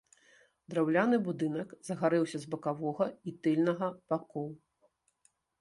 Драўляны будынак загарэўся з бакавога і тыльнага бакоў.